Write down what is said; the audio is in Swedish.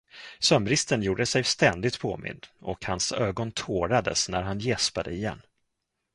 Sömnbristen gjorde sig ständigt påmind och hans ögon tårades när han gäspade igen.